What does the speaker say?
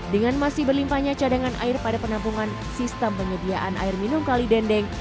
dengan masih berlimpahnya cadangan air pada penampungan sistem penyediaan air minum kali dendeng